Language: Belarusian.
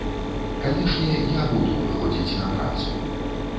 Канешне, я буду выходзіць на працу.